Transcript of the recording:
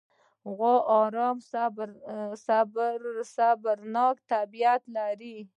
غوا ارامه او صبرناکه طبیعت لري.